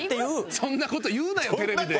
そんな事言うなよテレビで。